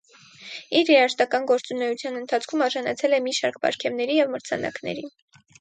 Իր երաժշտական գործունեության ընթացքում արժանացել է մի շարք պարգևների և մրցանակների։